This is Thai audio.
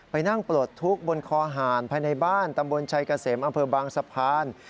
นั่งปลดทุกข์บนคอหารภายในบ้านตำบลชัยเกษมอำเภอบางสะพาน